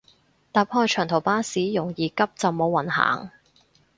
搭開長途巴士容易急就冇運行